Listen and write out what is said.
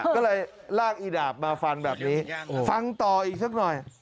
ก็เลยลากอีดาบมาฟันแบบนี้ฟังต่ออีกสักหน่อย